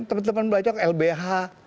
teman teman belajar lbh